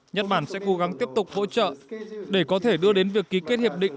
nhật bản sẽ cố gắng tiếp tục hỗ trợ để có thể đưa đến việc ký kết hiệp định